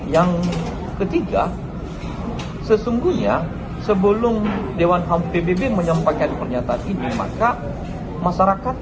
yang ketiga sesungguhnya sebelum dewan ham pbb menyampaikan pernyataan ini maka masyarakat